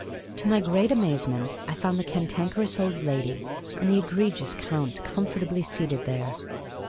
To my great amazement, I found the Cantankerous Old Lady and the egregious Count com fortably seated there.